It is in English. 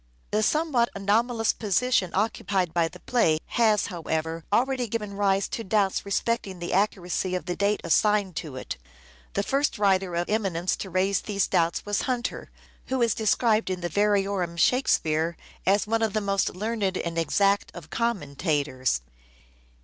The somewhat anomalous position occupied by Alternative the play has, however, already given rise to doubts dates, respecting the accuracy of the date assigned to it. The first writer of eminence to raise these doubts was Hunter, who is described in the " Variorum Shake speare," as " one of the most learned and exact of commentators."